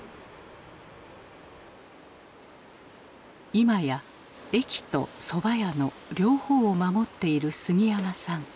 今や駅とそば屋の両方を守っている杉山さん。